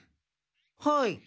はい。